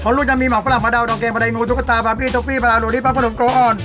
เขารุงจำมีหมอกกระหลังมาดาวดองเกงบะใดงูทุกษาบาร์มอีกโทฟีบาร์รุนดิปั๊กผนมโกอ่อน